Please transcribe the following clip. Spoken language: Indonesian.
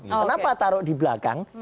kenapa taruh di belakang